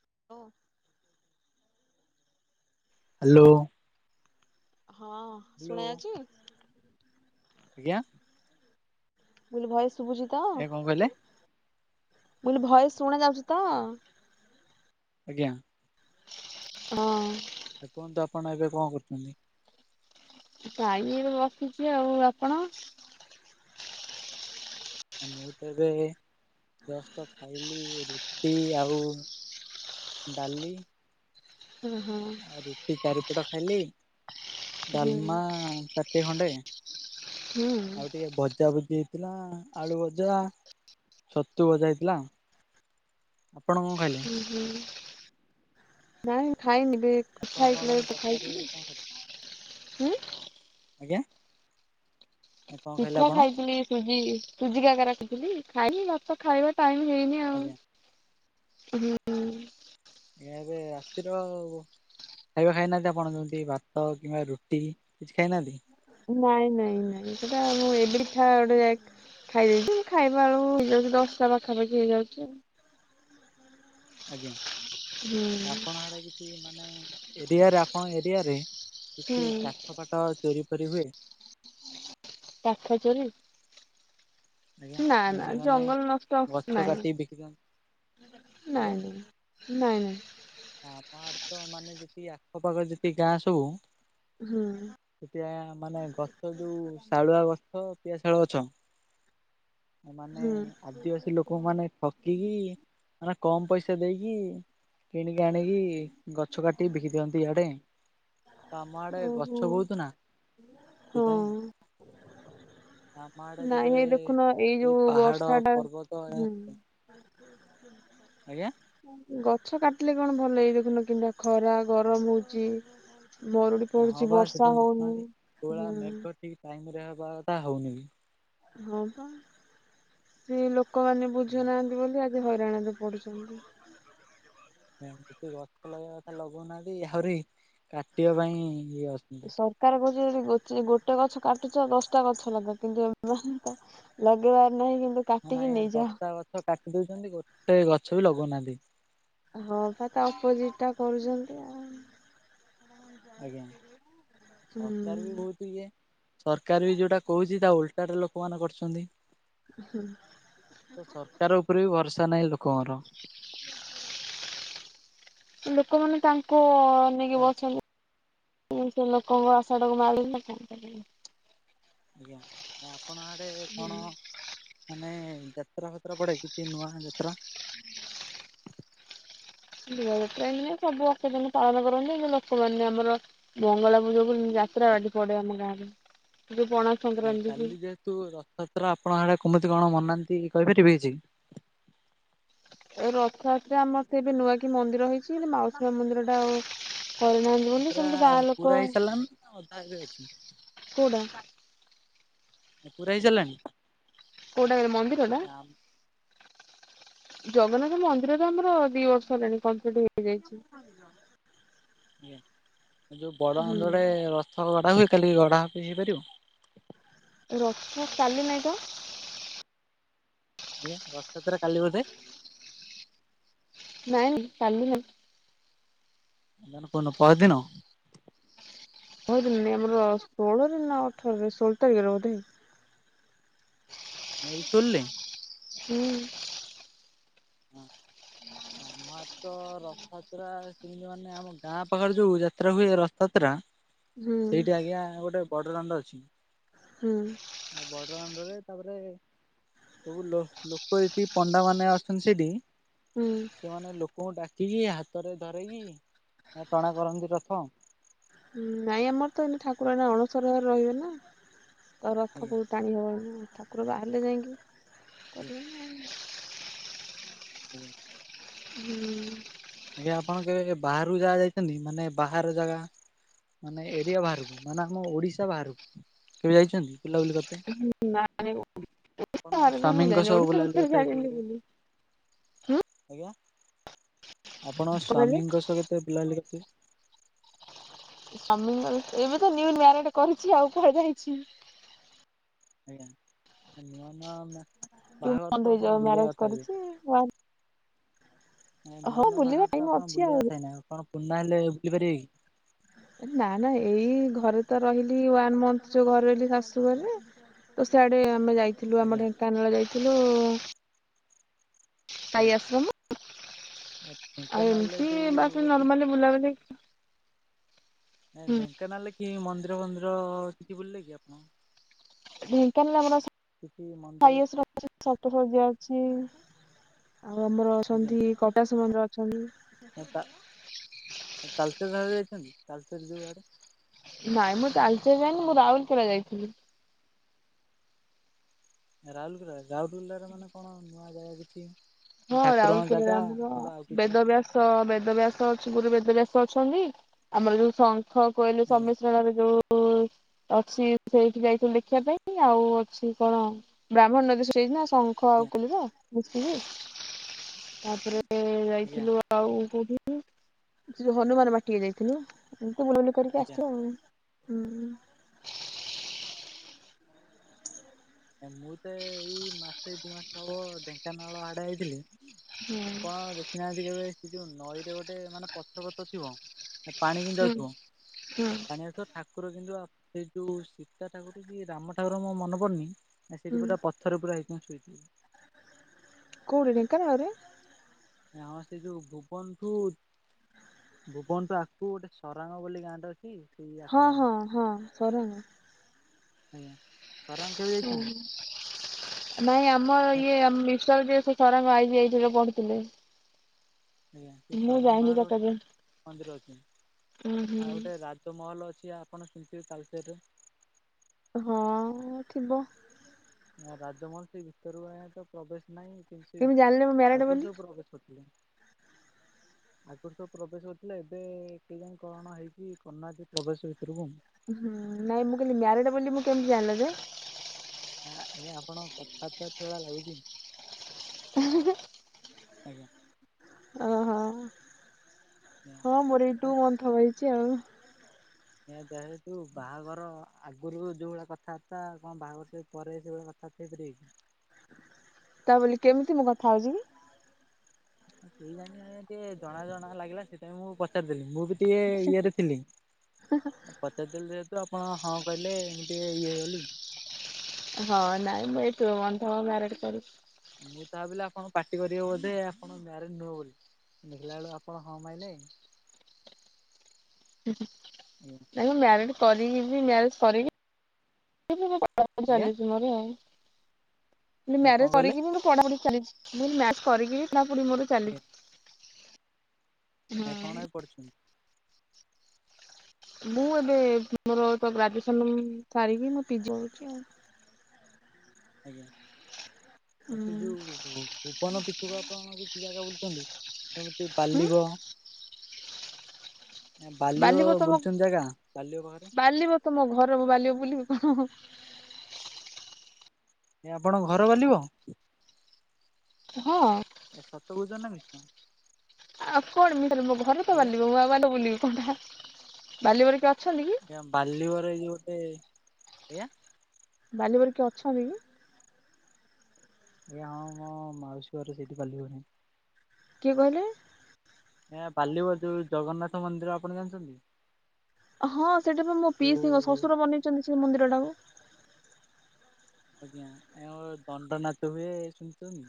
[unintelligible] Hello. ହଁ ଶୁଣାଯାଉଛି। ଆଜ୍ଞା। ମୁଁ କହିଲି ଭଏସ ଶୁଭୁଛି ତ, ଏ କଣ କହିଲେ ମୁ କଲି ଭଏସ ଶୁଣା ଯାଉଛି ତ? ଆଜ୍ଞା। ହଁ। ଆ କୁହନ୍ତୁ ଆପଣ ଏବେ କଣ କରୁଛନ୍ତି? କାଇଁ ଏଇଠି ବସିଛି ଆଉ, ଆପଣ? ମୁଁ ତ ଏବେ ଜଷ୍ଟ ଖାଇଲି ରୁଟି ଆଉ ଡାଲି। ଉଁ ହୁଁ। ଟି ଚାରିପଟ ଖାଇଲି ହୁଁ। ଡାଲମା ତାଟିଏ ଖଣ୍ଡେ। ହୁଁ ହୁଁ ଆଉ ଟିକେ ଭ ପଜାପୂଜି ହେଇଥିଲା ଆଳୁଭଜା ଛତୁଭଜା ହେଇଥିଲା। ଆପଣ କଣ ଖାଇଲେ? ଉଁ ହୁଁ, ନାଇ ମୁଁ ଖାଇନି ବେ। ଆପଣ ପଖାଳ କଣ [unintelligible] ତୁ ତରକାରୀ ଖାଇଥିଲୁ କଣ ଖାଇଲେ? ହୁଁ ଆଜ୍ଞା। କଣ ଖାଇଲେ ପିଠା ଆପଣ ଖାଇଥିଲି, ସୁଜି ସୁଜି କାକେରା ଖାଇଥିଲି, ଖାଇନି। ଭାତ ଖାଇବା ଟାଇମ୍ ହେଇନି। ଆଉ। ଆଜ୍ଞା। ହୁଁ। ଏବେ ରାତିର ଆଉ। ଖାଇବା ଖାଇନାହାନ୍ତି, ଆପଣ ଯେମିତି ଭାତ କିମ୍ବା ରୁଟି କିଛି ଖାଇନାହାନ୍ତି। ନାଇଁ ନାଇଁ ସେଟା ମୁଁ ଏବେଠୁ ଖା ଗୋଟେ ଖାଇ ଦଉଚି, ଖାଇବା ବେଳକୁ ହେଇଯାଉଚି ଦଶଟା ପାଖାପାଖି ହେଇଯାଉଛି। ଆଜ୍ଞା। ହୁଁ। ଆପଣ ଆଡେ କିଛି ମାନେ ଏରିଆରେ ଆପଣଙ୍କ ଏରିଆରେ କିଛି ହୁଁ କାଠ ଫାଟ ଚୋରି ଫୋରି ହୁଏ। କାଠ ଚୋରି। ଆଜ୍ଞା ନା ନା ଯେମିତି ମାନେ ଜଙ୍ଗଲ ନଷ୍ଟ ଗଛ ନାଇଁ କାଟି ବିକି ଦିଅନ୍ତି ନାଇଁ ନାଇଁ। ନାଇଁ। ଆପଣଙ୍କ ଆଡେ ତ ମାନେ ଯେତିକି ଆଖପାଖ ଯେତିକି ଗାଁ ସବୁ ହଁ। ସେଠି ଆ ମାନେ ଗଛ ଯୋଉ ଶାଳୁଆ ଗଛ ପିଆଶାଳ ଗଛ। ମାନେ ହୁଁ ଆଦିବାସୀ ଲୋକ ମାନେ ଠକି କି ମାନେ କମ୍ ପଇସା ଦେଇକି କିଣିକି ଆଣିକି ଗଛ କାଟିିକି ବିକି ଦିଅନ୍ତି ଇଆଡେ। ତ ଆମ ଆଡେ ଗଛ ଓହୋ ବହୁତ ନା, ସେ ପାଇଁ। ହଁ ଆମ ଆଡେ ନାଇଁ ଯେବେ ଏଇ ଦେଖୁନ ଏଇ ଖାଲି ଯୋଉ ପାହାଡ ବର୍ଷା ଟା ପର୍ବତ ହୁଁ [inaudible] ଆଜ୍ଞା। ଗଛ କାଟିଲେ କଣ ଭଲ? ହେଇି ଦେଖୁନ, କେମିତିଆ ଖରା ଗରମ ହଉଚି, ମରୁ ହଁ ବା ସେଥିପାଇଁ ଦେଖୁନାହାନ୍ତି ଯୋଉ ଭଳିଆ ହୁଁ ମେଘ ଠିକ୍ ଟାଇମରେ ହେବା କଥା ହେଉନି। ହଁ ବା, ସେ ଲୋକମାନେ ବି ଆଜ୍ଞା ବୁଝୁନାହାନ୍ତି। ବୋଲି, ଆଜି ହଇରାଣରେ ପଢୁଛନ୍ତି। କିନ୍ତୁ ଗଛ ଲଗେଇବା କଥା ଲଗଉନାହାନ୍ତି ଆହୁରି କାଟିବା ପାଇଁ ଇଏ ଅଛନ୍ତି ସରକାର କହୁଛି, ଯଦି ଗୋଟେ ଗଛ କାଟୁଛ ଦଶଟା ଗଛ ଲଗା କିନ୍ତୁ ଏମାନେ ତ ଲଗେଇବାର ନାହିଁ କିନ୍ତୁ ହଁ ବା କାଟିକି ନେଇଯାଅ। ଦଶଟା ଗଛ କାଟି ଦଉଚନ୍ତି। ଗୋଟେ ଗଛ ବି ଲଗଉନାହାନ୍ତି। ହଁ, ବା ତା ଅପୋଜିଟଟା କରୁଛନ୍ତି ଆଉ। ଆଜ୍ଞା। ସରକାର ବି ହୁଁ। ବହୁତ ଇଏ। ସରକାର ବି ଯୋଉଟା କହୁଛି, ତା ଓଲଟାଟା ଲୋକମାନେ କରୁଛନ୍ତି। ହଁ। ତ ସରକାର ଉପରେ ବି ଭରସା ନାହିଁ, ଲୋକଙ୍କର। ଲୋକମାନେ ତାଙ୍କୁ ଅନେଇକି ବଇଛନ୍ତି। ହେଲେ ସେ ଲୋକଙ୍କ ଆଶାଟାକୁ ମାଡି ନ ଥାନ୍ତା କି? ଆଜ୍ଞା। ଆପଣ ଆଡ଼େ କଣ ମାନେ ଯାତ୍ରାଫାତ୍ରା ପଡେ କି କିଛି ନୂଆ ଯାତ୍ରା? ଦିବାଯାତ୍ରା ଏ ସବୁ ଆଠଦିନି ପାଳନ କରନ୍ତି। ଏ ଲୋକମାନେ ଆମର ମଙ୍ଗଳା ପୂଜାକୁ ଯାତ୍ରାପାର୍ଟି ପଡେ ଆମ ଗାଁରେ। ଯୋଉ ପଣା ସଂକ୍ରାନ୍ତି କି କାଲି ଯେହେତୁ ରଥଯାତ୍ରା ଆପଣ ଆଡ଼େ କେମିତି କଣ ମନାହାନ୍ତି କହିପାରିବି କିଛି? ଏ ରଥଯାତ୍ରା ଆମର ସେ ଏବେ ନୂଆ କି ମନ୍ଦିର ହେଇଚି। ମାଉସୀ ମା ମନ୍ଦିର ଟା ଆଉ କରିନାହା - - ପୁରା ଗୁରା ହେଇସାରିଲା ନା ଅଧା ଏବେ ଅଛି? କୋଉଟା? ପୁରା ହେଇସାରିଲାଣି? କୋଉଟା କିରେ ମନ୍ଦିର ଟା? ଜଗନ୍ନାଥ ମନ୍ଦିରରେ ଆମର ଦି ବର୍ଷ ହେଲାଣି କମ୍ପ୍ଲିଟ୍ ହୋଇଯାଇଚି। ଆଜ୍ଞା, ଯେଉଁ ବଡ଼ ହୁଁ। ଆନ୍ଧଡ଼େ ରଥ ଗଡ଼ା ହୁଏ କାଲି ଗଡ଼ା ବି ହେଇପାରିବ? ରଥ କାଲି ନାଇଁ ତ? ଆଜ୍ଞା ରଥଯାତ୍ରା କାଲି ବୋଧେ। ନାଇଁ ନାଇଁ କାଲି ନାଇଁ। ଆଉ କୋଉ ଦିନ ପରଦିନ? କୋଉ ଦିନ ନାଇଁ ଆମର ଷୋଳରେ ନା ଅଠରରେ ଷୋହଳ ତାରିଖରେ ବୋଧେ। ଏଇ ସ୍କୁଲରେ? ହୁଁ ଆଁ ଆମଆରେ ତ ରଥଯାତ୍ରା ତିନିମା ମାନେ ଆମ ଗାଁ ପାଖରେ ଯୋଉ ଯାତ୍ରା ହୁଏ। ରାସ୍ତା ଯାତ୍ରା। ହୁଁ ସେଇଠି ଆଜ୍ଞା ଗୋଟେ ବଡ ଦଣ୍ଡ ଅଛି। ହୁଁ ବଡ ଦାଣ୍ଡରେ ତାପରେ- - ଫୁଲ, ଲୋକ ଏଠି ପଣ୍ଡାମାନେ ଆସୁଚନ୍ତି ସେଇଠି ହୁଁ, ସେମାନେ ଲୋକଙ୍କୁ ଡାକିକି ହାତରେ ଧରାଇକି ଟଣା କରନ୍ତି ରଥ। ହୁଁ, ନାଇଁ ଆମର ତ ଏମି ଠାକୁରାଣୀ ଅଣସରରେ ରହିବେ ନା ତ ରଥ ଆଜ୍ଞା କରୁ ଟାଣି ହବନି, ଠାକୁର ବାହାରିଲେ ଯାଇକି ଆଜ୍ଞା କରିବେ ନା ଆଉ। ହୁଁ ହୁଁ ଆଜ୍ଞା, ଆପଣ କେବେ ବାହହାରକୁ ଯାଗା ଯାଇଚନ୍ତି। ମାନେ ବାହାର ଜାଗା। ମାନେ ଏରିଆ ବାହାରକୁ, ମାନେ ଆମ ଓଡିଶା ବାହାରକୁ, କେବେ ଯାଇଛନ୍ତି ବୁିଲ ବୁଲି କରି। ନା ହୁଁ ଆପଣ ବାହାରକୁ ମୁଁ ସ୍ଵାମୀଙ୍କ ଯାଇନି ସହ ଓଡିଶା ବୁଲାବୁଲି ଭିତରେ କଥା ଜାଣିନି ହେଇଥିବେ। ବୁଲି ଆଜ୍ଞା। ଆପଣ କଣ କହିଲେ ସ୍ଵାମୀଙ୍କ ସହ କେତେ ବୁଲାବୁଲି କେତେ- - ସ୍ୱାମିଙ୍କ, ଏବେ ତ ନିୁ ମାରେଡ କରିଛି ଆଉ କୁହାଯାଇଚି। ଆଜ୍ଞା, ନୁଆ ନୁଆ ମ୍ୟା - - ଟୁ ବାହାଘର ମନ୍ଥ ତ ହେଇଯିବ ଆପଣ ବୁଲିବା ମ୍ୟାରେଜ କଥା ହବେ। କରିଛି ନ ନୂଆ ହଁ ନୂଆ ବୁଲିବା ବାହାଘର ତ ଟାଇମ ଆପଣ ଅଛି ଆଉ ବୁଲିଆ କଥା ଏଇନା। ଆପଣ ପୁରୁଣା ହେଲେ ବୁଲି ପାରିବେ କି? ନା ନା ଏଇ ଘରେ ତ ରହିଲି ୱାନ ମଥ ଯୋଉ ଘରେ ରହିଲି ଶାଶୁ ଘରେ ତ ସେଆଡେ ଆମେ ଯାଇଥିଲୁ ଆମ ଆଜ୍ଞା ଢେଙ୍କାନାଳ ଯାଇଥିଲୁ ଆଇ ଆଜ୍ଞା ଆଶ୍ରମ। ଆଉ ଢେଙ୍କାନାଳରେ ଏମିତି ଯୋଉ ବାସ ଗୋଟେ ନର୍ମାଲି ବୁଲାବୁଲି। ନ ଢେଙ୍କାନାଳ କି ମନ୍ଦିର ମନ୍ଦିର କିଛି ବୁଲିଲେ କି ଆପଣ? ଢେଙ୍କାନାଳରେ ଆମର କିଛି ମନ୍ଦିର ଆଇଏସ ପାର୍କ ସତ ପ୍ରଜ୍ଞା ଅଛି। ଆଉ ଆମର ଅଛନ୍ତି କଟାସ ମନ୍ଦିର ଅଛନ୍ତି। ସେ ତା ତାଲଚେର ଆଡେ ଯାଇଚନ୍ତି ତାଲଚେର ଯେଉଁ ଆଡ଼େ। ନାଇଁ ମୁଁ ତାଲଚେଲ ଯାଇନି ମୁଁ ରାଉଲକେଲା ଯାଇଥିଲି। ରାଉରକେଲାରେ ରାଉରକେଲାର ମାନେ କଣ ନୂଆ ଜାଗା କିଛି ହଁ ଠାକୁରଙ୍କ ରାଉରକେଲା ଜାଗା ଆମର କିମ୍ବା ଆଉ କିଛି ବେଦବ୍ୟାସ। ତ ବେଦବ୍ୟାସ ଅଛି ଗୁରୁ ବେଦବ୍ୟାସ ଅଛନ୍ତି ଆମର ଯୋଉ ସ ହଁ କହିଲୁ ଆଜ୍ଞା ସମିଶ୍ରଣରେ ଯୋଉ ଓ ଅଛି ସେଇଠି ଯାଇଥିଲୁ ଦେଖିବା ପାଇଁ ଆଉ ଅଛି କଣ? ବ୍ରାହ୍ମଣ ନଦୀ ସ ଯାଇଛି ନା ଶଙ୍ଖ ଆଜ୍ଞା ଆଉ କୁଲିର ବୁ ତାପରେ ଏବେ ଆଜ୍ଞା ଯାଇଥିଲୁ। ଆଉ କୋଉଠଥିଲୁ ସେ ଯୋଉ ହନୁମାନ ବାଟିିକ ଯାଇଥିଲୁ [inaudible] କରିକି ଆଜ୍ଞା। ଆସିଥିବ ହୁଁ। ମୁଁ ତେ ଏଇ ମାସେ ଦି ମାସ ହବ ଢେଙ୍କାନାଳ ଆଡ଼େ ହେଇଥିଲି। ଆପଣ ହୁଁ ଦେଖିନାହାନ୍ତି କେବେ ଯୋ ନଈରେ ଗୋଟେ ମାନେ ପତ ପତ ଥିବ। ପାଣି କେମିତି ଅଇଥିବ ହୁଁ ପାଣିଆ ତ ଠାକୁର କିନ୍ତୁ ସେ ଯୋଉ ସୀତା ଠାକୁର କି ରାମ ଠାକୁର ମୋ ମନ ପଡୁନି। ନା ସେଇଠି ହୁଁ ପୁରା ପଥର ପୁରା ଛୋଇଥିବେ ଶୋଇଥିବେ। କୋଉଠି ଢେଙ୍କାନାଳ ରେ? ନମସ୍ତେ ଯୋ ଭୁବନଠୁ। ଭୁବନଠୁ ଆଗକୁ ଗୋଟେ ସରାଙ୍ଗ ବୋଲି ଗାଁଟେ ଅଛି। ହଁ ଆଖପାରେ ହଁ ହଁ ସରାଙ୍ଗ। ଆଜ୍ଞା ସରଣ କେବେ ଯାଇଚନ୍ତି? ନାଇଁ ଆମର ଇଏ ମିଷ୍ଟର ଯେ ସେ ସରାଙ୍ଗ ଆଇଜି ଆଇରେ ପଢୁଥିଲେ। ଆଜ୍ଞା ସେ ମୁଁ ଯାଇନି ସରାମବାର କଟକ। ଗୋଟେ ମନ୍ଦିର ଅଛି ଉଁ ହୁଁ। ଆଉ ଗୋଟେ ରାଜ୍ ତ ମହଲ୍ ଅଛି ଆପଣ କେମିତିି ତାଲଚେରରେ ହଁ ଥିବ। ରାଜମହଲସୀ ଭିତରରୁ ଆ ତ ପ୍ରବେଶ ନାହିଁ। ସେ କେମିତି ଜାଣିଲେ ମୁଁ ଆଗରୁ ଯୋ ପ୍ରଗ୍ରାସି କରିଥିଲେ। ହ ଆଗରୁ ସବୁ ପ୍ରବେଶ କରିଥିଲା ଏବେ ଏ ଟିନ୍ କଣ ହେଇଛି କର ନାହାନ୍ତି ପ୍ରବେଶ ଭିତରକୁ। ହୁଁ ନାଇଁ ମୁଁ କହିଲି ମ୍ୟାରେଡ ବୋଲି ମୁଁ କେମିତି ଜାଣିଲ ଯେ? ନାଁ ଆଜ୍ଞା ଆପଣ କଥାବାର୍ତା ସେ ଭଳିଆ ଲାଗୁଛି। ଆଜ୍ଞା। ଓହୋ ହଁ ମୋର ଏଇ ଆଜ୍ଞା। ଟୁ ମନ୍ଥ ରହିଛି ଆଉ। ଆଜ୍ଞା ଯା ହେତୁ ବାହାଘର ଆଗରୁ ଯୋଉ ଭଳିଆ କଥାବାର୍ତ୍ତା କଣ ବାହାଘର ପରେ ସେଇଭଳିଆ କ ଥାଟି ଥ୍ରୀ। ତା ବୋଲି କେମିତି ମୁଁ କଥା ହଉଚି କି? କେଜାଣି ଆ ଟିକେ ଜଣା ଜଣା ଲାଗିଲା ସେଇପାଇଁ ମୁଁ ପଚାରିଦେଲି ମୁଁ ବି ଟିଏ ଇଏରେ ଥିଲି ପ ସେତେବେଳେ ଯେହେତୁ ଆପଣ ହଁ କହିଲେ ଏମିତି ଇଏ ଗଲି। ହଁ ନାଇଁ ମୁଁ ଏ ଟୁ ମନ୍ଥ ମ୍ୟାରେଟ କରୁଚି। ମୁଁ ତାହା ବିଲା ଆପଣ ପାର୍ଟି କରିବେ ବୋଧେ ଆପଣ ମ୍ୟାରେଜ ନୁହଁ ବୋଲି। ଦେଖିଲା ବେଳୁ ଆପଣ ହଁ ମାଇଲେ। [inaudible] ହୁଁ। ନାଇଁ ମ୍ୟାରେଡେ କରିନିକି ମ୍ୟାରେଜ୍ କରିମି। [unintelligible] ଆଜ୍ଞା ଚାଲିଚି ଘରେ ଆଉ କଣ ମ୍ୟାରେଜ୍ କହିଲେ କରକି। ପଢାପଢି ଚାଲିଚି ମୁଁ ମ୍ୟାରେ କରିକି ପଢାପୁଢି ମୋର ଚାଲିଛି। ହେରା ହୁଁ। କଣ ପାଇଁ ପଢୁଚନ୍ତି? ମୁଁ ଏବେ ମୋରତ ଗ୍ରାଜୁଏସନ ସାରିକି ମୁଁ ପିଜି ହଉଚି ଆଉ। ଆଜ୍ଞା ଏ ସେଯୋଉ ବନ ପିଛୁକୁ ଆପଣ କିଛି ଜାଗା ବୁଲୁଚନ୍ତି ସେମିତି ହୁଁ ବାଲିବ। ଏ ବାଲିଓ ବାଲିବ ବୁଲିଚନ୍ତି ଜାଗା ବାଲିଓ ପାଖରେ। ତମୋ ଘର ମୁ ବୁଲିବି କଣ। ଏ ଆପଣଙ୍କ ଘର ବାଲିବ? ହଁ। ଏ ସତ କୋଉଚନ୍ତିନା ମିଛ? ଆଉ କଣ ମୁକଇଲି ମୋ ଘରେତ ଆଜ୍ଞା ବାଲିବ ମୁଁ ଆଉ ବାଲବ ବୁଲିବି କଣ ବାଲିବରେ କିଏ ଅଛନ୍ତିକି। ଆଜ୍ଞା ବାଲିରେ ଏଯଉ ଗୋଟେ ଆଜ୍ଞା। ବାଲିବରେ କିଏ ଅଛନ୍ତିକି? ଆଜ୍ଞା ହଁ ହଁ ମାଉସୀ ଘର ସେଇଠି ବାଲିବହିଁ। କିଏ କହିଲେ? ଆଜ୍ଞା ବାଲିବ ଯୋଉ ଜଗନ୍ନାଥ ମନ୍ଦିର ଆପଣ ଜାଣିଚନ୍ତି? ହଁ ସେଇଟାବା ମୋ ପିଇସିଙ୍କ ଶ୍ୱଶୁର ବନେଇଚନ୍ତି ସେ ମନ୍ଦିର ଟାକୁ। ଆଜ୍ଞା ଆଏ ଦଣ୍ଡ ନାଚ ହୁଏ ଶୁଣିଚନ୍ତି।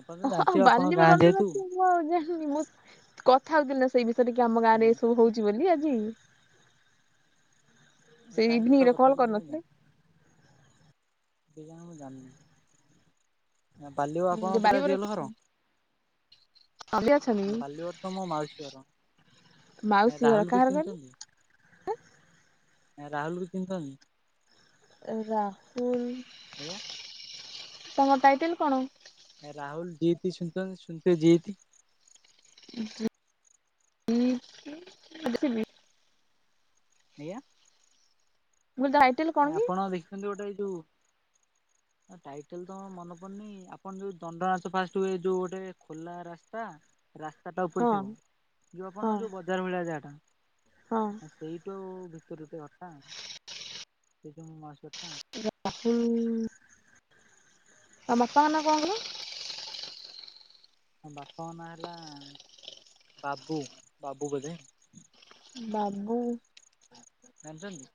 ଆପଣତ ହଁ ଜାଣିଥିବେ ଆପଣଙ୍କ ବାଲିବ ଗାଁ ଦଣ୍ଡ ଯେହେତୁ। ମୁଁ ଆଉ ଜାଣିନି ମୁଁ କଥା ହଉଥିଲି ସେଇ ବିଷୟରେ କିଆମ ଗାଁରେ ଆଜ୍ଞା। ଏ ସବୁ ହଉଚି ବୋଲି ଆଜି। ସେ କାହିଁ କେତେ ଇଭିନିଂ ରେ କଥା କଲ୍ କହିଲେ ମୁଁ କାଇଁ କରିନଥିଲେ। ଜାଣିନି କେଜାଣି ମୁଜାଣିନି ବାଲବ ଆପଣଙ୍କ ଯେ ପୁରା ବାଲିବରେ ରିୟଲ ଘର? ଆଜ୍ଞା [unintelligible] ବାଲିବରେତ ମୋ ମାଉସୀ ଘର ଏ ମାଉସୀ ଘର ରାହୁଲକୁ କାହାର କହିଲୁ ଚିହ୍ନିଚନ୍ତି? ରାହୁଲୁକୁ ଚିହ୍ନିଚନ୍ତି? ରାହୁଲ୍ ଆଜ୍ଞା ତାଙ୍କ ଟାଇଟେଲ୍ କଣ? ରାହୁଲ ଜିତି ଶୁଣଚ ଶୁଣଥି ଜିତି। [unintelligible] ସିଏ କିଏ? ଶୁଣିଥିବି ଆଜ୍ଞା। ମୁଁ କହିଲି ତା ଆଇଡ଼ି ଆପଣ ଦେଖିଛନ୍ତି ଗୋଟେ ଏଇ ଯୋଉ [inaudible] ଟାଇଟେଲେତ ମୋର ମନେ ପଡ଼ୁନି ଆପଣ ଯୋଉ ଦଣ୍ଡନାଚ ଫାଷ୍ଟେ ହୁଏ ଯୋଉ ଗୋଟେ ଖୋଲା ରାସ୍ତା ରାସ୍ତାଟା ଉପରେ ହଁ ଥିବ ଯେଉଁ ହଁ ଆପଣଙ୍କ ଯେଉଁ ବଜାର ଭଳିଆ ଯାହାଟା ହଁ ଆ ସେଇଟୁ ଭିତରୁ ଟିକେ ଘରଟା ଆଉ। ସେଇଠି ମୋ ମାଉସୀ ଘରଟା ଆଉ। ରାହୁଲ୍ ତାଙ୍କ ବାପାଙ୍କ ନାଁ କଣକହିଲ? ତାଙ୍କ ବାପାଙ୍କନାଁ ହେଲା ବାବୁ ବାବୁ ବୋଧେ। ବାବୁ ଜାଣିଚନ୍ତି?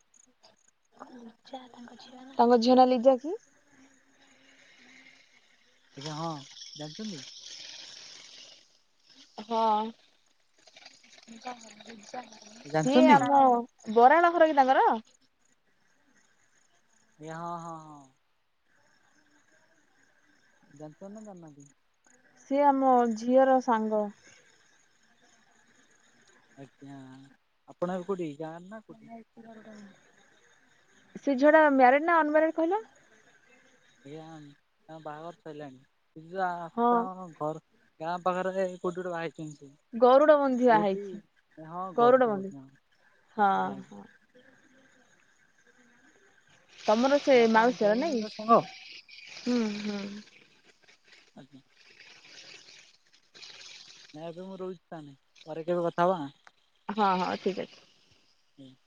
କଁ ଲିଜା ତାଙ୍କ ଝିଅ ନାଁ ତାଙ୍କ ଝିଅ ନାଁ ଲିଜାକି? ଆଜ୍ଞା ହଁ ଜାଣିଚନ୍ତି? ହଁ ଏଇ ଜାଣିଛନ୍ତି? ଆମ ବରାଳ ଘରକି ତାଙ୍କର? ଇଆ ହଁ, ହଁ, ହଁ [unintelligible] ସିଏ ଆମ- ଝିଅର ସାଙ୍ଗ। ଆଜ୍ଞା ଆପଣ ଏବେ କଉଠି, ଗାଁରେ ନାଁ କଉ [inaudible] ସେ ଝିଅ ଟା ମ୍ୟାରେଡ ନା ଅନ ମ୍ୟାରେଡ କହିଲ। ଆଜ୍ଞା, ତାଙ୍କ-ବାହାଘର ସରିଲାଣି, ହଁ [unintelligible] ଘର। ଗାଁ ପାଖରେ ଯାଇ କୋଉଠି ଗୋଟେ ବାହା ହେଇଛନ୍ତି ସେ। ଗରୁଡ ବନ୍ଧିଆ କୋଉଠି ହେଇଚି, ହଁ [inaudible] ଗରୁଡ ଗଦଡ ବନ୍ଧି ଆଜ୍ଞା [inaudible] ହଁ ହଁ। ଆଜ୍ଞା ତମର ସେ ଆପଣଙ୍କ ମାଉସୀ ହବ ନାଇଁ ଭଉଣୀର କି? ସାଙ୍ଗ [inaudible] ହୁଁ, ହୁଁ ଆଜ୍ଞା। [unintelligible] ପରେ କେବେ କଥା ହେବା ହଁ-ହଁ ଠିକ୍ ଅଚି। [inaudible]